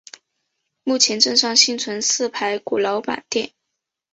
目前镇上幸存四排古老板店。